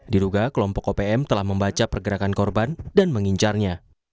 diduga kelompok opm telah membaca pergerakan korban dan mengincarnya